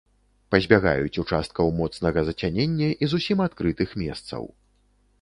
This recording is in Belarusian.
Пазбягаюць участкаў моцнага зацянення і зусім адкрытых месцаў.